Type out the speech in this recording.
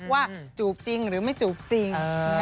จูบจริงหรือไม่จูบจริง